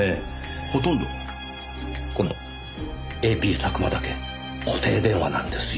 このＡＰ佐久間だけ固定電話なんですよ。